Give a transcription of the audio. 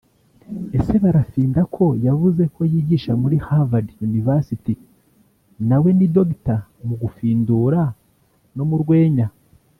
Ese barafinda ko yavuze ko yigisha muri havard university nawe ni Dr mu gufindura no mu rwenya